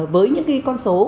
với những con số